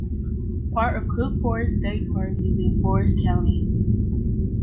Part of Cook Forest State Park is in Forest County.